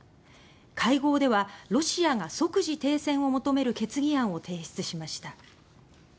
会合ではロシアが即時停戦を求める決議案を提出しました。